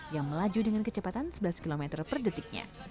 yang melaju dengan kecepatan sebelas km per detiknya